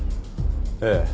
ええ。